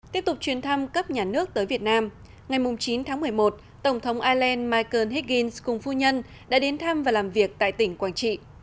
tiếp tục chuyến thăm cấp nhà nước tới việt nam ngày chín tháng một mươi một tổng thống ireland michael heck in cùng phu nhân đã đến thăm và làm việc tại tỉnh quảng trị